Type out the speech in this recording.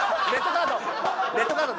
レッドカード！